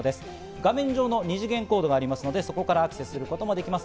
画面上の二次元コードがあるので、そこからアクセスすることもできます。